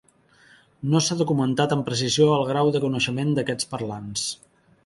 No s'ha documentat amb precisió el grau de coneixement d'aquests parlants.